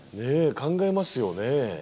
考えますね。